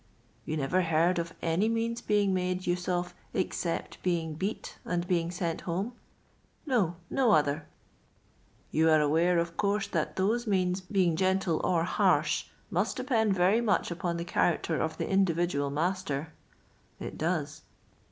" You never heard of any means being made use of, except being beat and being sent homel — No; no other. " You are aware, of course, that those means being gentle or harsh must depend very much upon the character of the individual master ?— It does.